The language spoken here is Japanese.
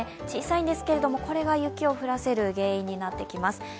小さいんですが、これが雪を降らせる原因になってきます。